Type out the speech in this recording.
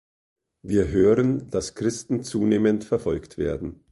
Wir hören, dass Christen zunehmend verfolgt werden.